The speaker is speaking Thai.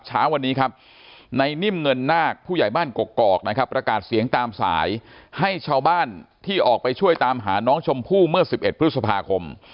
เช้าวันนี้ครับในนิ่มเงินนาคผู้ใหญ่บ้านกกอกนะครับประกาศเสียงตามสายให้ชาวบ้านที่ออกไปช่วยตามหาน้องชมพู่เมื่อ๑๑พฤษภาคม